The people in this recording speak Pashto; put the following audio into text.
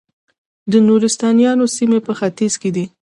د نورستانیانو سیمې په ختیځ کې دي